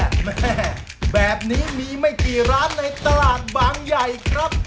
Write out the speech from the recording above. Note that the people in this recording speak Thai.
แม่แบบนี้มีไม่กี่ร้านในตลาดบางใหญ่ครับ